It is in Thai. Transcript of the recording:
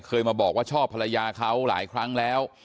เคยมาบอกว่าชอบภรรยาเขาหลายครั้งแล้ว